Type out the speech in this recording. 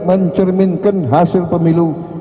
mencerminkan hasil pemilu